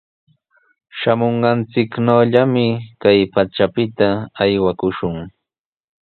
Shamunqanchiknawllami kay pachapita aywakushun.